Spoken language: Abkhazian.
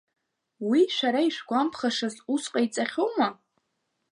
Уи шәара ишәгәамԥхашаз ус ҟаиҵахьоума?